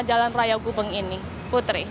jalan raya gubeng ini putri